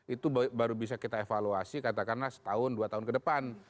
itu baru bisa kita evaluasi katakanlah setahun dua tahun ke depan